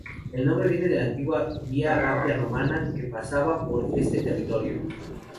El nombre viene de la antigua vía apia romana que pasaba por este territorio.